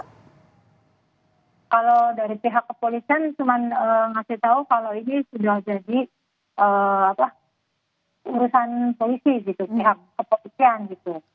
kalau dari pihak kepolisian cuma ngasih tahu kalau ini sudah jadi urusan polisi gitu pihak kepolisian gitu